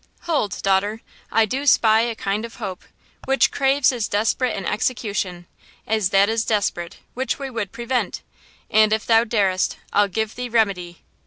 Hold, daughter! I do spy a kind of hope, Which craves as desperate an execution As that is desperate, which we would prevent And if thou darest, I'll give thee remedy!